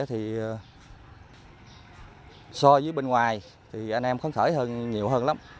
thì so với bên ngoài thì anh em phấn khởi hơn nhiều hơn lắm